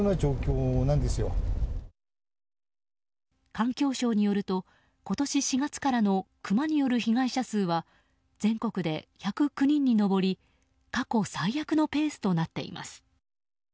環境省によると今年４月からのクマによる被害者数は全国で１０９人に上り過去最悪のペースとなっています。